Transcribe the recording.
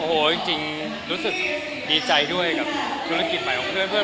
โอ้โหจริงรู้สึกดีใจด้วยกับธุรกิจใหม่ของเพื่อน